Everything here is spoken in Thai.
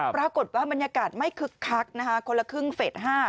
ปรากฏว่าบรรยากาศไม่คึกคักนะฮะคนละครึ่งเฟส๕